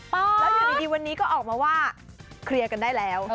แล้วอยู่ดีวันนี้ก็ออกมาว่าเคลียร์กันได้แล้ว